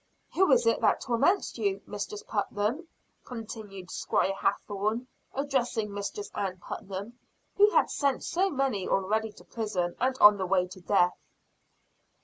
"Who is it that torments you, Mistress Putnam?" continued Squire Hathorne, addressing Mistress Ann Putnam, who had sent so many already to prison and on the way to death.